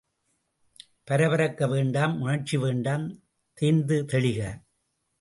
பரபரக்க வேண்டாம் உணர்ச்சி வேண்டாம் தேர்ந்து தெளிக!